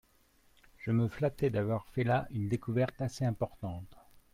Je me flattais d'avoir fait la une découverte assez importante.